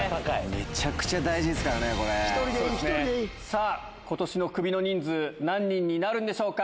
めちゃくちゃ大事ですからね、１人でいい。さあ、ことしのクビの人数、何人になるんでしょうか？